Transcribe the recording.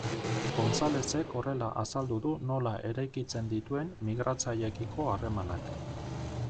Gonzalezek horrela azaldu du nola eraikitzen dituen migratzaileekiko harremanak.